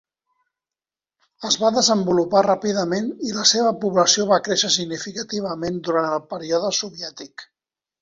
Es va desenvolupar ràpidament i la seva població va créixer significativament durant el període soviètic.